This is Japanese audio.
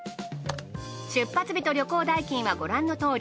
出発日と旅行代金はご覧のとおり。